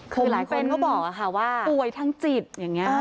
คือหลายคนเขาบอกว่าแบบว่าผมเป็นป่วยทั้งจิตอย่างนี้